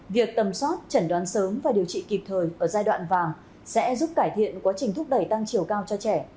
việc tầm soát chẩn đoán sớm và điều trị kịp thời ở giai đoạn vàng sẽ giúp cải thiện quá trình thúc đẩy tăng chiều cao cho trẻ